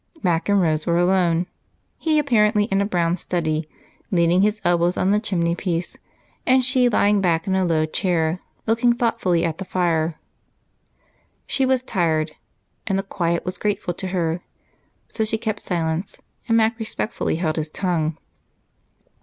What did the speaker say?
Mac and Rose were alone he apparently in a brown study, leaning his elbows on the chimneypiece, and she lying back in a low chair looking thoughtfully at the fire. She was tired, and the quiet was grateful to her, so she kept silence and Mac respectfully held his tongue.